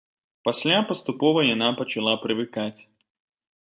Пасля паступова яна пачала прывыкаць.